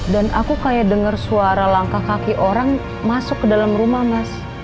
dan aku kayak denger suara langkah kaki orang masuk ke dalam rumah mas